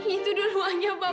itu dulu aja bapak